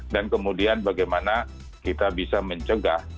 dan kemudian bagaimana kita bisa mencegah